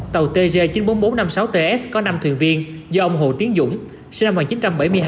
tàu tg chín mươi bốn nghìn bốn trăm năm mươi sáu ts có năm thuyền viên do ông hồ tiến dũng sinh năm một nghìn chín trăm bảy mươi hai